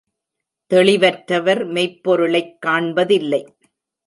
தெளிவற்றவர் மெய்ப்பொருளைக் காண்பதில்லை.